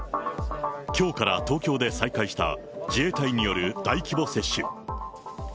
きょうから東京で再開した自衛隊による大規模接種。